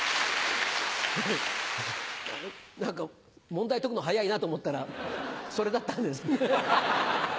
何か問題解くの早いなと思ったらそれだったんですね。